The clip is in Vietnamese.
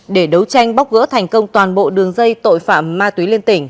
để đấu tranh bóc gỡ thành công toàn bộ đường dây tội phạm ma túy liên tỉnh